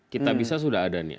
kitabisa sudah ada nih